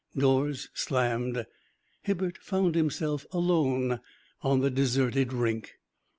Doors slammed. Hibbert found himself alone on the deserted rink.